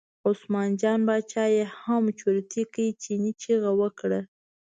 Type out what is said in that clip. عثمان جان باچا یې هم چرتي کړ، چیني چغه وکړه.